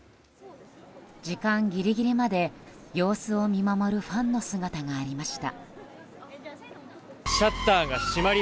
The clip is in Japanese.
時間ギリギリまで様子を見守るファンの姿がありました。